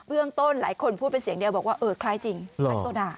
เรื่องต้นหลายคนพูดเป็นเสียงเดียวบอกว่าเออคล้ายจริงคล้ายโซดา